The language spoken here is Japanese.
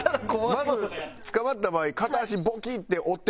まず捕まった場合。